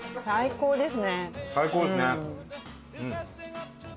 最高ですね。